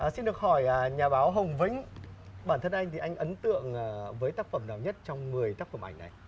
xin được hỏi nhà báo hồng vĩnh bản thân anh thì anh ấn tượng với tác phẩm nào nhất trong một mươi tác phẩm ảnh này